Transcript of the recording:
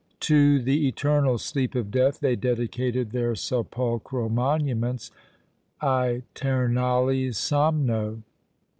To the eternal sleep of death they dedicated their sepulchral monuments _Æternali somno!